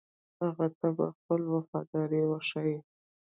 هغه ته خپله وفاداري وښيي.